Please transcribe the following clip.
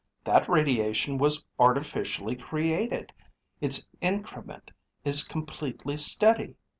That radiation was artificially created. Its increment is completely steady.